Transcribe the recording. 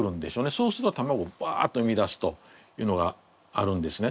そうすると卵ワッと産み出すというのがあるんですね。